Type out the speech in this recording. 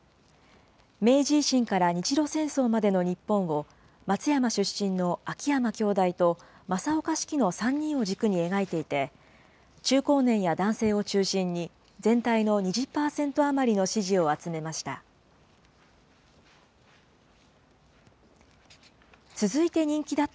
明治維新から日露戦争までの日本を、松山出身の秋山兄弟と、正岡子規の３人を軸に描いていて、中高年や男性を中心に、全体の２０％余りの支持を集めました。